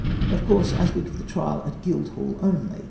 Of course, I speak of the trial at Guildhall only.